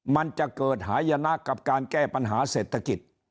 มันจะเกิดหายนะกับการแก้ปัญหาเศรษฐกิจ